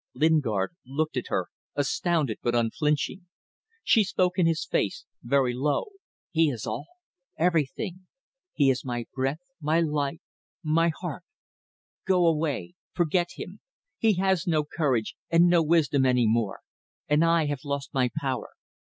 Lingard looked at her, astounded but unflinching. She spoke in his face, very low. "He is all! Everything. He is my breath, my light, my heart. ... Go away. ... Forget him. ... He has no courage and no wisdom any more ... and I have lost my power.